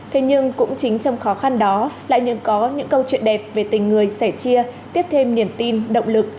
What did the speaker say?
thế nhưng cũng chính trong khó khăn đó lại nhưng có những câu chuyện đẹp về tình người sẻ chia tiếp thêm niềm tin động lực